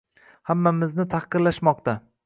Hammamizni tahqirlashmoqda